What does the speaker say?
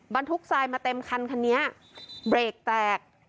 บรรทุกทรายมาเต็มคันคันนี้เบรกแตก